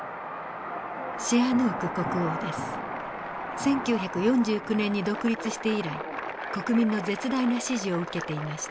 １９４９年に独立して以来国民の絶大な支持を受けていました。